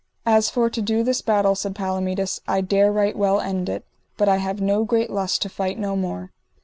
As for to do this battle, said Palomides, I dare right well end it, but I have no great lust to fight no more.